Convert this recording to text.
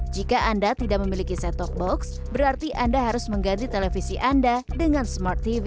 jika anda tidak memiliki set top box berarti anda harus mengganti televisi anda dengan smart tv